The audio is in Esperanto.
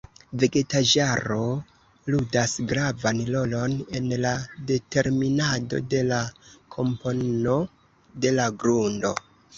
Vegetaĵaro ludas gravan rolon en la determinado de la kompono de la grundo.